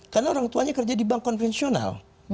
karena orang tuanya kerja di bank konvensional